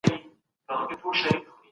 انسان باید تل د حق ملاتړ وکړي.